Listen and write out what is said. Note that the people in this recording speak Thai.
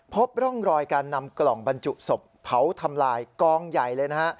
พบร่องรอยการนำกล่องบรรจุศพเผาทำลายกองใหญ่เลยนะฮะ